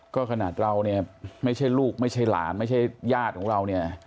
ก็ขนาดเราเนี่ยไม่ใช่ลูกไม่ใช่หลานไม่ใช่ญาติของเราเนี่ย